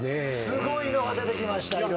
すごいのが出てきました。